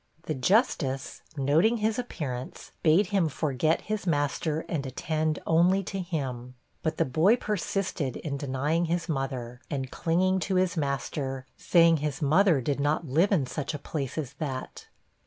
The justice, noting his appearance, bade him forget his master and attend only to him. But the boy persisted in denying his mother, and clinging to his master, saying his mother did not live in such a place as that.